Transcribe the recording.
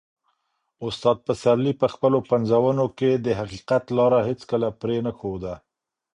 استاد پسرلي په خپلو پنځونو کې د حقیقت لاره هیڅکله پرې نه ښوده.